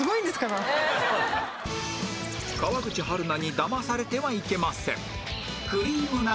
川口春奈にだまされてはいけません